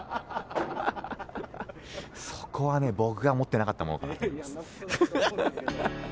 そこはね、僕が持ってなかったものかなと思います。